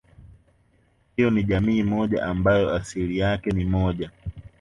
Hiyo ni jamii moja ambayo asili yake ni moja